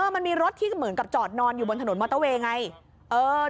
มันมีรถที่เหมือนกับจอดนอนอยู่บนถนนมอเตอร์เวย์ไง